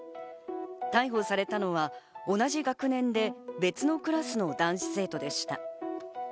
逮捕されたのは同じ学年で別のクラスの男子生徒でした。